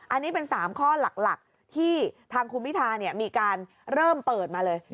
อันนี้เป็น๓ข้อหลักที่ทางคุณพิธามีการเริ่มเปิดมาเลย